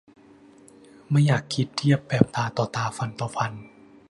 ไม่อยากคิดเทียบแบบตาต่อตาฟันต่อฟัน